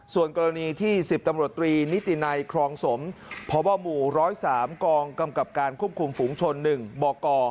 ส่วนกรณีที่๑๐ตำรวจตรีนิตินัยครองสมพบหมู่๑๐๓กองกำกับการควบคุมฝูงชน๑บก